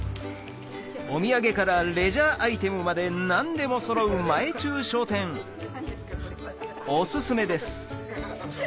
お土産からレジャーアイテムまで何でもそろう前忠商店オススメです